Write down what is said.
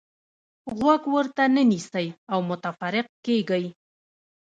غوږ ورته نه نیسئ او متفرق کېږئ.